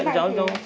có ghi lại như này